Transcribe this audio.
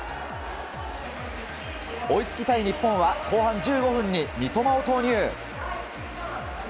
追いつきたい日本は後半１５分に三笘を投入。